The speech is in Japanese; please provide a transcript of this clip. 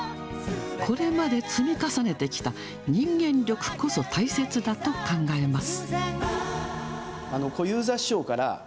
これまで積み重ねてきた人間力こそ大切だと考えます。